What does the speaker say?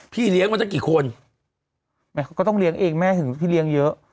เลี้ยงมาตั้งกี่คนแม่เขาก็ต้องเลี้ยงเองแม่ถึงพี่เลี้ยงเยอะ